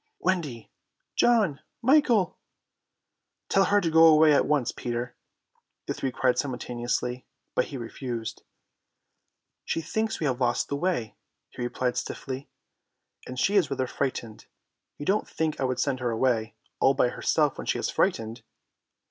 "Wendy!" "John!" "Michael!" "Tell her to go away at once, Peter," the three cried simultaneously, but he refused. "She thinks we have lost the way," he replied stiffly, "and she is rather frightened. You don't think I would send her away all by herself when she is frightened!"